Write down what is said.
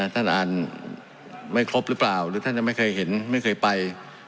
ท่านอ่านไม่ครบหรือเปล่าหรือท่านยังไม่เคยเห็นไม่เคยไป